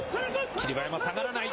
霧馬山、下がらない。